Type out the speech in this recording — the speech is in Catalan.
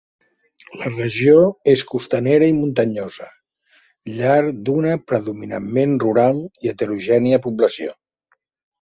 La regió és costanera i muntanyosa, llar d'una predominantment rural i heterogènia població.